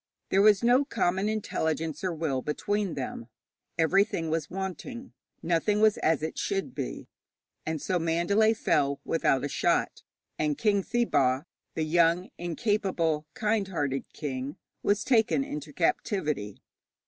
There was no common intelligence or will between them. Everything was wanting; nothing was as it should be. And so Mandalay fell without a shot, and King Thibaw, the young, incapable, kind hearted king, was taken into captivity.